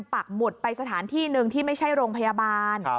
ปักหมุดไปสถานที่หนึ่งที่ไม่ใช่โรงพยาบาล